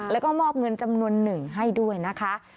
แล้วก็มอบเงินจำนวนหนึ่งให้ด้วยนะคะ